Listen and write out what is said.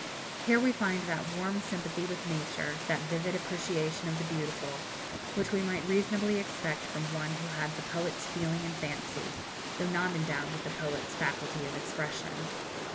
Here we find that warm sympathy with Nature, that vivid appreciation of the beautiful, which we might reasonably expect from one who had the poet's feeling and fancy, though not endowed with the poet's faculty of expression.